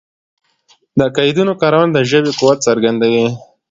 د قیدونو کارونه د ژبي قوت څرګندوي.